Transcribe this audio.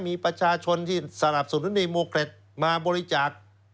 มีประชาชนที่สนับสนุนในโมเกร็ดมาบริจาค